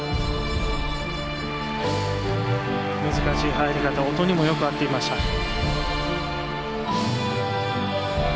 難しい入り方音にもよく合っていました。